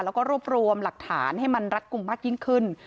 แล้วก็รวบรวมหลักฐานให้มันรัดกลุ่มมากยิ่งขึ้น